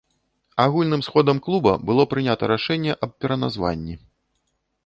Агульным сходам клуба было прынята рашэнне аб пераназванні.